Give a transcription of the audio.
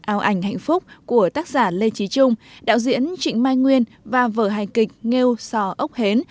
áo ảnh hạnh phúc của tác giả lê trí trung đạo diễn trịnh mai nguyên và vở hài kịch nghêu sò ốc hến